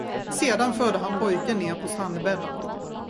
Sedan förde han pojken ner på strandbrädden.